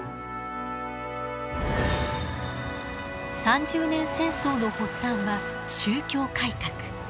三十年戦争の発端は宗教改革。